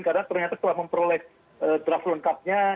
karena ternyata telah memperoleh draft run cap nya